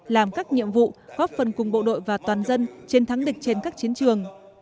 làm các nhiệm vụ góp phần cùng bộ đội và toàn dân chiến thắng địch trên các chiến trường